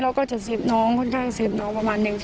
เราก็จะเสียบน้องค่อนข้างเศียบน้องประมาณนึง